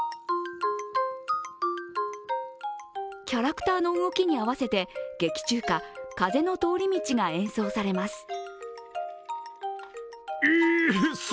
キャラクターの動きに合わせて、劇中歌「風のとおり道」が演奏されます。